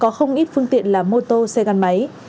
có không ít phương tiện là mô tô xe gắn máy